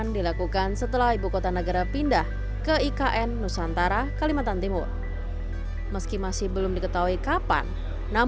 butuh waktu berapa lama mas proses selesai ktp nya